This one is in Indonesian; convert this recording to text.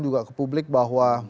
juga ke publik bahwa